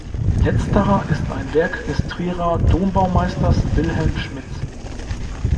Letzterer ist ein Werk des Trierer Dombaumeisters Wilhelm Schmitz.